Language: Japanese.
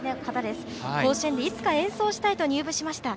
甲子園でいつか演奏したいと入部しました。